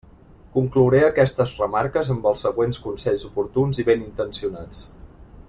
Conclouré aquestes remarques amb els següents consells oportuns i benintencionats.